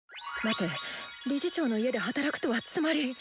待て理事長の家で働くとはつまり。